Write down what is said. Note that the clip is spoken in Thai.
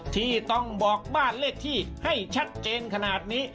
ที่ต้องบอกบ้านเลขที่ให้ชัดเจนขนาดนี้